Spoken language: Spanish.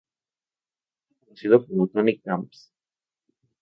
Era conocido como Tony Camps.